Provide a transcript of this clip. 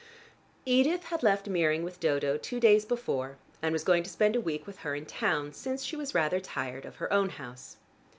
Edith had left Meering with Dodo two days before and was going to spend a week with her in town since she was rather tired of her own house.